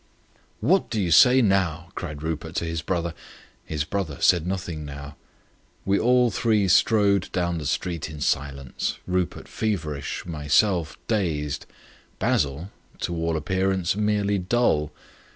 "What do you say now?" cried Rupert to his brother. His brother said nothing now. We all three strode down the street in silence, Rupert feverish, myself dazed, Basil, to all appearance, merely dull.